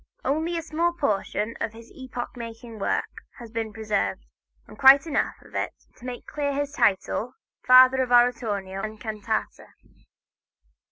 Only a small portion of his epoch making work has been preserved, but quite enough to make clear his title "Father of Oratorio and Cantata."